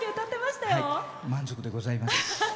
満足でございます。